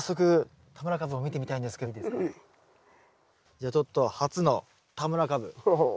じゃあちょっと初の田村かぶ。